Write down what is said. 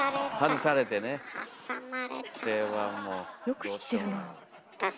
よく知ってるなあ。